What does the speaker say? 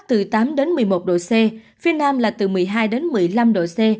từ tám một mươi một độ c phía nam là từ một mươi hai một mươi năm độ c